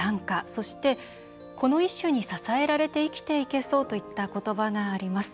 そして、この一首に支えられて生きていけそうといった言葉があります。